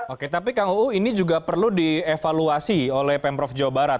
oke tapi kang uu ini juga perlu dievaluasi oleh pemprov jawa barat